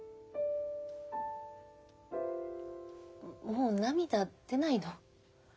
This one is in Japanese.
もう涙出ないの。